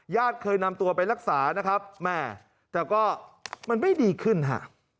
เคยนำตัวไปรักษานะครับแม่แต่ก็มันไม่ดีขึ้นฮะ